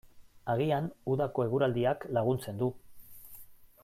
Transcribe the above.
Agian udako eguraldiak laguntzen du.